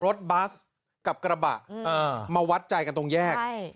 รถบัสกับกระบะมาวัดใจกันตรงแยก